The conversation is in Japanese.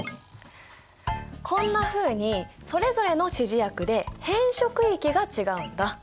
こんなふうにそれぞれの指示薬で変色域が違うんだ。